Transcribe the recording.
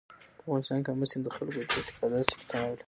په افغانستان کې آمو سیند د خلکو د اعتقاداتو سره تړاو لري.